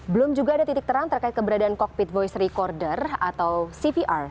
belum juga ada titik terang terkait keberadaan cockpit voice recorder atau cvr